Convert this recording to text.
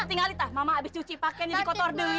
tinggal itah mama abis cuci pakaian jadi kotor dewi